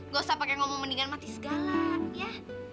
gak usah pakai ngomong mendingan mati segala ya